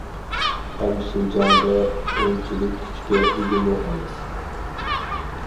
ھەم شىنجاڭدا ئۇنچىلىك كۈچكە ئىگىمۇ ئەمەس.